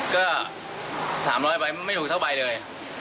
ก็ถามร้อยไปไม่ถูกเท่าไปเลย